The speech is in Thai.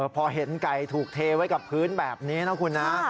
พอเห็นไก่ถูกเทไว้กับพื้นแบบนี้นะคุณนะ